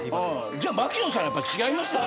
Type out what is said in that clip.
じゃあ槙野さんはやっぱり違いますね。